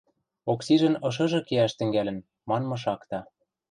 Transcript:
Оксижӹн ышыжы кеӓш тӹнгӓлӹн, манмы шакта.